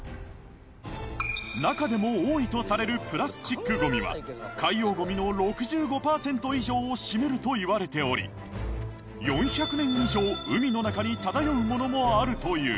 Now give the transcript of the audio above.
中でも多いとされるプラスチックゴミは海洋ゴミの６５パーセント以上を占めるといわれており４００年以上海の中に漂うものもあるという